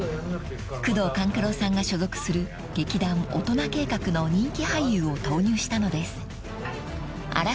［宮藤官九郎さんが所属する劇団大人計画の人気俳優を投入したのです］